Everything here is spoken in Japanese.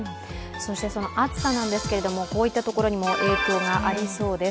その暑さなんですけども、こういったところにも影響がありそうです。